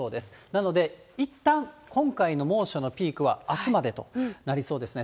なのでいったん、今回の猛暑のピークはあすまでとなりそうですね。